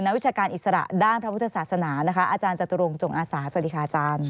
นาวิชากาลอิสระด้านพระมฤทธาศาสนานะคะอจัตรงจงศาสดีค่ะอาจารย์